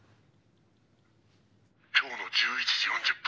「今日の１１時４０分